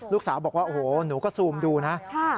ลูกสาวบอกว่าโอ้โหหนูก็ซูมดูนะ